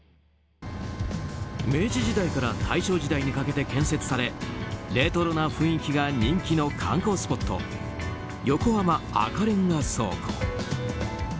明治時代から大正時代にかけて建設されレトロな雰囲気が人気の観光スポット横浜赤レンガ倉庫。